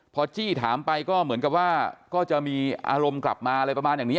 พอจี้ถามไปก็เหมือนกับว่าก็จะมีอารมณ์กลับมาอะไรประมาณอย่างนี้